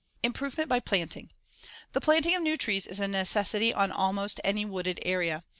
Improvement by planting: The planting of new trees is a necessity on almost any wooded area.